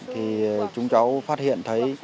thì chúng cháu phát hiện thấy